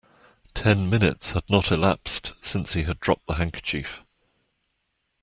Ten minutes had not elapsed since he had dropped the handkerchief.